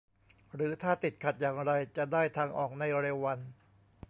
หรือถ้าติดขัดอย่างไรจะได้ทางออกในเร็ววัน